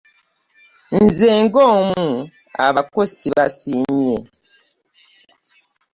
Nze nga omu abako ssibasiimye.